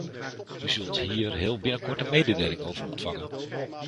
U zult hier heel binnenkort een mededeling over ontvangen.